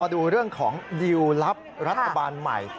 ดูเรื่องของดีลลับรัฐบาลใหม่